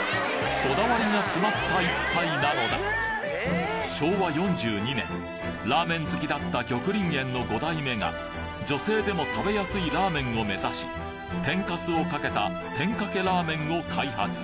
こだわりが詰まった１杯なのだ昭和４２年ラーメン好きだった玉林園の五代目がを目指し天かすをかけたてんかけラーメンを開発